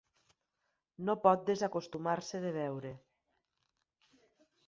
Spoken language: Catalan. No pot desacostumar-se de beure.